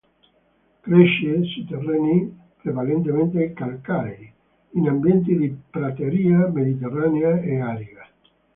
Cresce, su terreni prevalentemente calcarei, in ambienti di prateria mediterranea e gariga.